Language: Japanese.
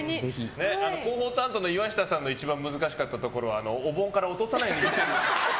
広報担当の岩下さんの難しかったところはお盆から落とさないように見せる。